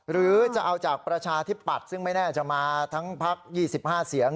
หรือจะเอาจากประชาธิปัตย์ซึ่งไม่แน่จะมาทั้งพัก๒๕เสียง